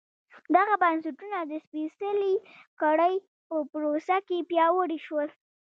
دغه بنسټونه د سپېڅلې کړۍ په پروسه کې پیاوړي شول.